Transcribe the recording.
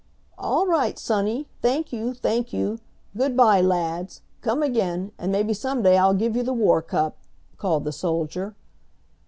"All right, sonny thank you, thank you! Good bye, lads; come again, and maybe some day I'll give you the war cup!" called the soldier.